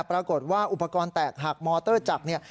ปรากฏว่าอุปกรณ์แตกหักมอเตอร์จักรเนี่ย